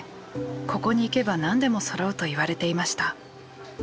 ここに行けば何でもそろうといわれていました。